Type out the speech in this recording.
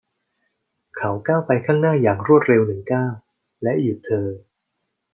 เขาก้าวไปข้างหน้าอย่างรวดเร็วหนึ่งก้าวและหยุดเธอ